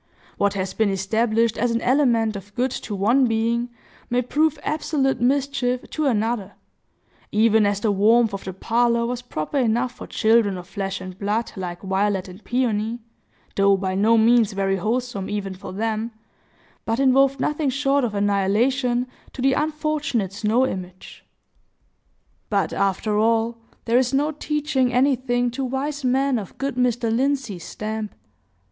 What has been established as an element of good to one being may prove absolute mischief to another; even as the warmth of the parlor was proper enough for children of flesh and blood, like Violet and Peony,—though by no means very wholesome, even for them,—but involved nothing short of annihilation to the unfortunate snow image. But, after all, there is no teaching anything to wise men of good Mr. Lindsey's stamp.